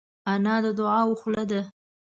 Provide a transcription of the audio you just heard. انا د دعاوو خوله ده